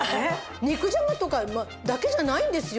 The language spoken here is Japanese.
肉じゃがとかだけじゃないんですよ。